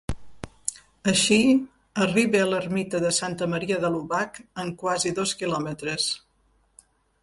Així, arriba a l'ermita de Santa Maria de l'Obac en quasi dos quilòmetres.